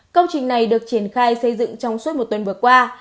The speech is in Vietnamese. công trình này được triển khai xây dựng trong suốt một tuần vừa qua